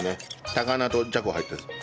高菜とじゃこ入ってる。